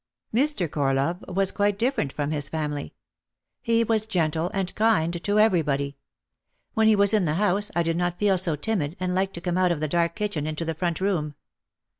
Mr. Corlove was quite different from his family. He was gentle and kind to everybody. When he was in the house I did not feel so timid and liked to come out of the dark kitchen into the front room.